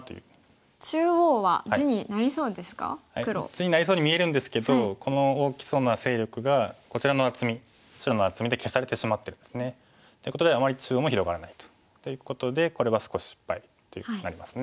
地になりそうに見えるんですけどこの大きそうな勢力がこちらの厚み白の厚みで消されてしまってるんですね。っていうことであまり中央も広がらないと。ということでこれは少し失敗ということになります。